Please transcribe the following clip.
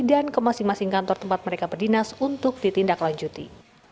dan ke masing masing kantor tempat mereka berdinas untuk ditindak lanjuti